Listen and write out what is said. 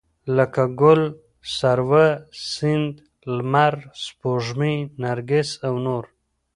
لکه ګل، سروه، سيند، لمر، سپوږمۍ، نرګس او نور